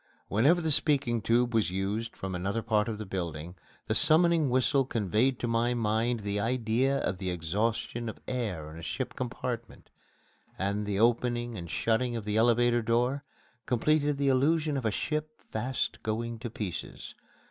Whenever the speaking tube was used from another part of the building, the summoning whistle conveyed to my mind the idea of the exhaustion of air in a ship compartment, and the opening and shutting of the elevator door completed the illusion of a ship fast going to pieces.